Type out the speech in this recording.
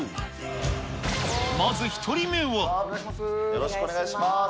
よろしくお願いします。